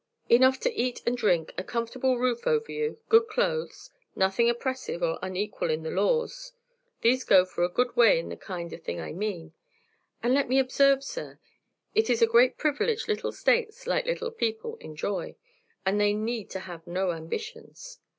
"Enough to eat and drink, a comfortable roof over you, good clothes, nothing oppressive or unequal in the laws, these go for a good way in the kind of thing I mean; and let me observe, sir, it is a great privilege little states, like little people, enjoy, that they need have no ambitions.